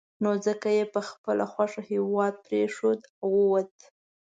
نو ځکه یې په خپله خوښه هېواد پرېښود او ووت.